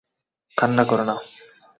কান্না করো না!